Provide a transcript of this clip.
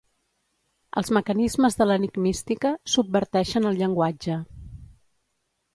Els mecanismes de l'enigmística subverteixen el llenguatge.